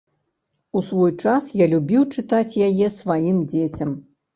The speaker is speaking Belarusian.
У свой час я любіў чытаць яе сваім дзецям.